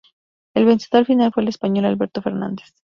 El vencedor final fue el español Alberto Fernández.